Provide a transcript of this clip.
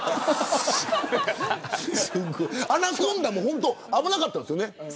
アナコンダも危なかったですよね。